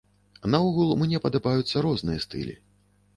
Наогул мне падабаюцца розныя стылі.